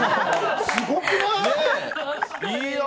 すごくない？